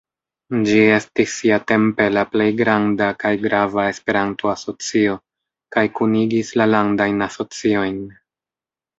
Ĝi estis siatempe la plej granda kaj grava Esperanto-asocio, kaj kunigis la Landajn Asociojn.